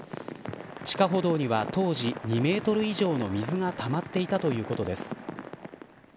地下歩道には当時２メートル以上の水がたまっていたということです。